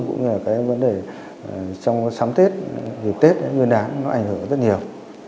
trong sáng tết vì tết nguyên đán nó ảnh hưởng rất nhiều